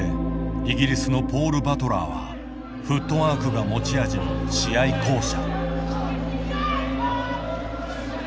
イギリスのポール・バトラーはフットワークが持ち味の試合巧者。